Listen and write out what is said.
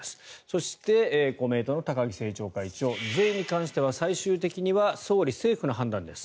そして、公明党の高木政調会長税に関しては最終的には総理・政府の判断です。